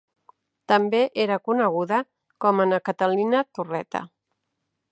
També era coneguda com a Na Catalina Torreta.